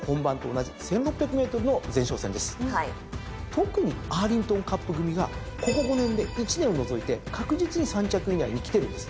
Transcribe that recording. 特にアーリントンカップ組がここ５年で１年を除いて確実に３着以内に来てるんです。